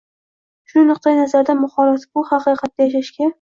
Shu nuqtai nazardan, muxolifat bu “haqiqatda yashashga”